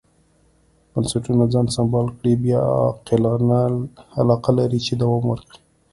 بنسټونه ځان سمبال کړي بیا علاقه لري چې دوام ورکړي.